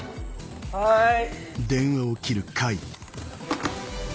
はい。